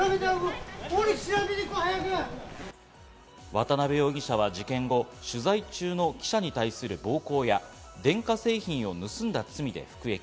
渡部容疑者は事件後、取材中の記者に対する暴行や電化製品を盗んだ罪で服役。